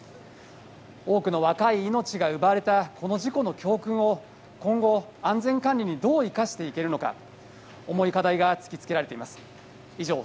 多くの若い命が奪われたこの事故の教訓を今後、安全管理にどう生かしていけるのか重い課題が突き付けられています。